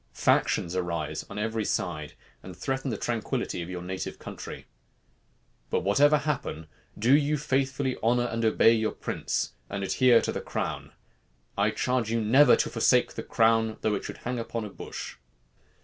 Factions arise on every side, and threaten the tranquillity of your native country. But whatever happen, do you faithfully honor and obey your prince, and adhere to the crown. I charge you never to forsake the crown, though it should hang upon a bush."